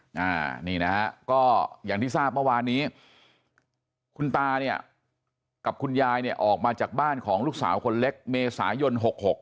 อย่างที่ที่ทราบเมื่อวานนี้คุณตากับคุณยายออกมาจากบ้านของลูกสาวคนเล็กเมษายน๖๖